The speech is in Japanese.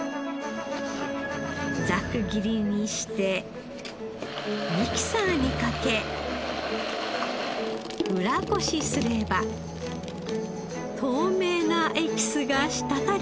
ざく切りにしてミキサーにかけ裏ごしすれば透明なエキスが滴り落ちます。